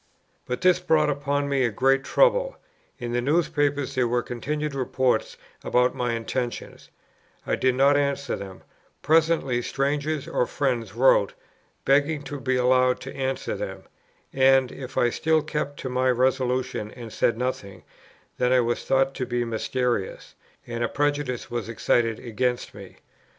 But this brought upon me a great trouble. In the newspapers there were continual reports about my intentions; I did not answer them; presently strangers or friends wrote, begging to be allowed to answer them; and, if I still kept to my resolution and said nothing, then I was thought to be mysterious, and a prejudice was excited against me.